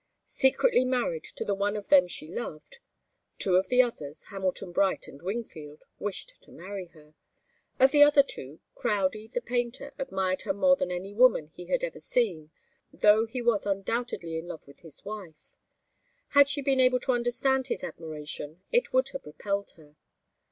Secretly married to the one of them she loved, two of the others Hamilton Bright and Wingfield wished to marry her. Of the other two, Crowdie, the painter, admired her more than any woman he had ever seen, though he was undoubtedly in love with his wife. Had she been able to understand his admiration, it would have repelled her.